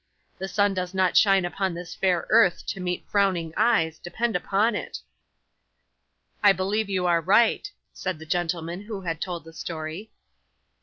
The sun does not shine upon this fair earth to meet frowning eyes, depend upon it.' 'I believe you are right,' said the gentleman who had told the story.